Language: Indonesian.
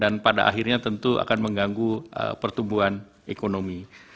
pada akhirnya tentu akan mengganggu pertumbuhan ekonomi